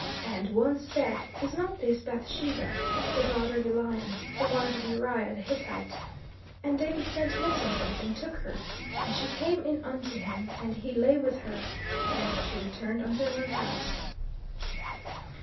And one said, Is not this Bath sheba, the daughter of Eliam, the wife of Uriah the Hittite? And David sent messengers, and took her; and she came in unto him, and he lay with her; ... and she returned unto her house."